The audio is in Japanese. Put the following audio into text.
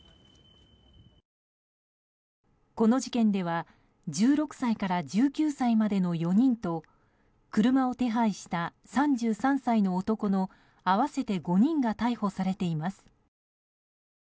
この事件では１６歳から１９歳までの４人と車を手配した３３歳の男の合わせて５人が逮捕されています。